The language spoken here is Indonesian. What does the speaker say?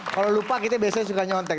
kalau lupa kita biasanya suka nyontek